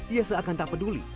ia seakan tak peduli